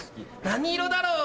何色だろう？